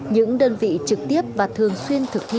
những đơn vị trực tiếp và thường xuyên thực thi